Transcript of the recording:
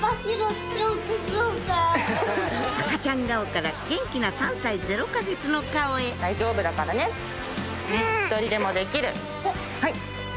赤ちゃん顔から元気な３歳０か月の顔へ大丈夫だからね１人でもできる！